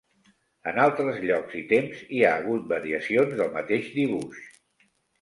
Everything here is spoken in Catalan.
En altres llocs i temps hi ha hagut variacions del mateix dibuix.